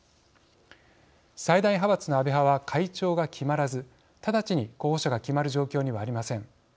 最大派閥の安倍派は会長が決まらず直ちに候補者が決まる状況にはありません。